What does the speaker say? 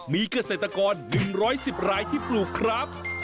มีเกษตรกร๑๑๐รายที่ปลูกครับ